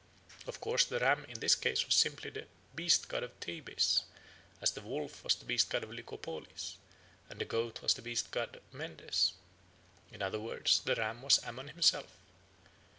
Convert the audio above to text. Of course the ram in this case was simply the beast god of Thebes, as the wolf was the beast god of Lycopolis, and the goat was the beast god of Mendes. In other words, the ram was Ammon himself.